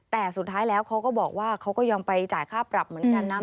แต่สุดท้ายแล้วเขาก็บอกว่าเขาก็ยอมไปจ่ายค่าปรับเหมือนกันนะ